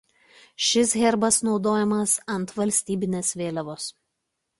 Šis herbas naudojamas ant valstybinės vėliavos.